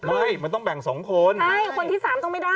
ไม่มันต้องแบ่งสองคนใช่คนที่สามต้องไม่ได้